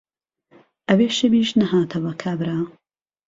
ئهوێ شەویش نههاتهوه کابرا